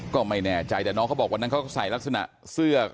ก็ไม่แน่ใจแต่น้องเค้าบอกว่าที่นั่งเค้าใส่ลักษณะเหรือ